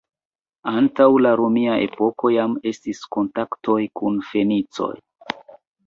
Antaŭ la romia epoko jam estis kontaktoj kun fenicoj.